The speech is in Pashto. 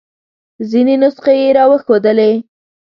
ځینې نسخې یې را وښودلې.